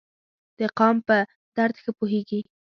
د قام په درد ښه پوهیږي.